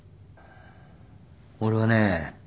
俺はね